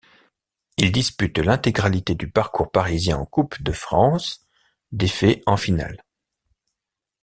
Il dispute l’intégralité du parcours parisien en Coupe de France, défait en finale.